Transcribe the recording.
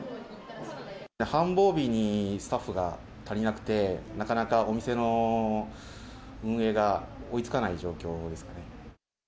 繁忙日にスタッフが足りなくて、なかなかお店の運営が追いつかない状況ですかね。